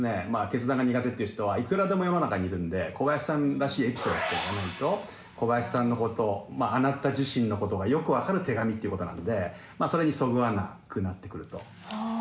決断が苦手っていう人はいくらでも世の中にいるんで小林さんらしいエピソードがないと小林さんのことあなた自身のことがよく分かる手紙っていうことなのでそれにそぐわなくなってくると。